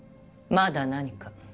まだ何か？